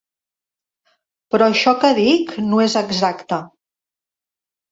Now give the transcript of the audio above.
Però això que dic no és exacte.